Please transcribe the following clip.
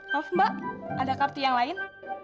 maaf mbak ada kapti yang lain